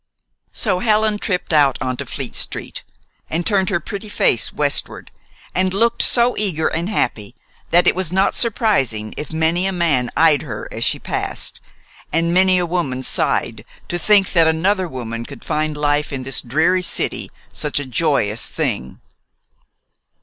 So Helen tripped out into Fleet st., and turned her pretty face westward, and looked so eager and happy that it is not surprising if many a man eyed her as she passed, and many a woman sighed to think that another woman could find life in this dreary city such a joyous thing.